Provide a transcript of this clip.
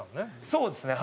そうですね。